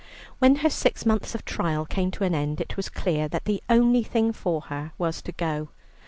When her six months of trial came to an end, it was clear that the only thing for her was to go.